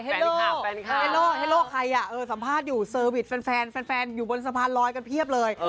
ฮัลโหลฮัลโหลใครสัมภาษณ์อยู่ฟันแฟนอยู่บนสัมภาษณ์ลอยกันเพียบเลย